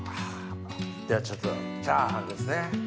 ではちょっとチャーハンですね。